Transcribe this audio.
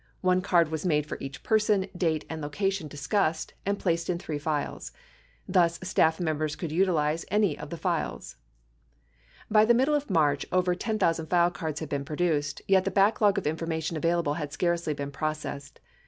One card was made for each person, date and location dis cussed and placed in three files. Thus, staff members could utilize any of the files. By the middle of March, over 10,000 file cards had been produced, yet the backlog of information available had scarcely been processed.